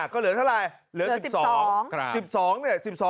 ก็เหลือเท่าไหร่๑๒